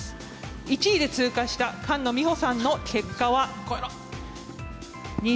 １位で通過した菅野美穂さんの結果は。